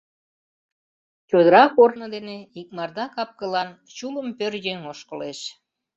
«Чодыра корно дене икмарда кап-кылан, чулым пӧръеҥ ошкылеш.